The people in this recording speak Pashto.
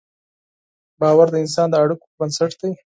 باور د انسان د اړیکو بنسټ دی.